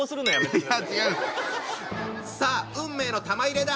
さあ運命の玉入れだ！